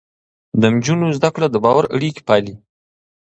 د نجونو زده کړه د باور اړيکې پالي.